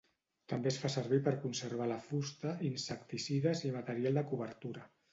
També es fa servir per conservar la fusta, insecticides i material de cobertura.